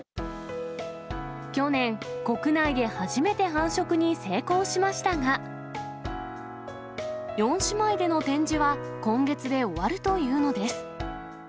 去年、国内で初めて繁殖に成功しましたが、４姉妹での展示は、今月で終わるというのです。